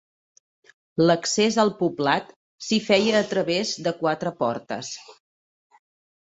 L'accés al poblat s'hi feia a través de quatre portes.